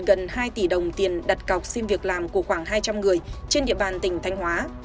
gần hai tỷ đồng tiền đặt cọc xin việc làm của khoảng hai trăm linh người trên địa bàn tỉnh thanh hóa